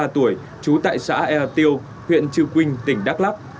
hai mươi ba tuổi trú tại xã eo tiêu huyện trư quynh tỉnh đắk lắk